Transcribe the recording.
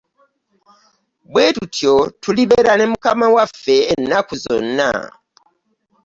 Bwe tutyo tulibeera ne mukama waffe ennaku zonna.